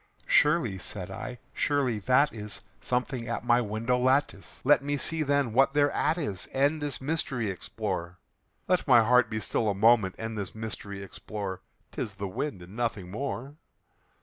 "Surely," said I, "surely that is something at my window lattice; Let me see, then, what thereat is, and this mystery explore Let my heart be still a moment, and this mystery explore; 'Tis the wind and nothing more."